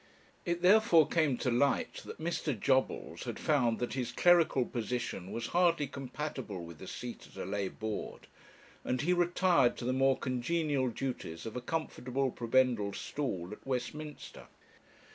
It therefore came to light that Mr. Jobbles had found that his clerical position was hardly compatible with a seat at a lay board, and he retired to the more congenial duties of a comfortable prebendal stall at Westminster.